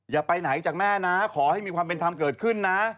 อย่าไปไหนจากแม่นะขอให้มีความเป็นธรรมเกิดขึ้นนะ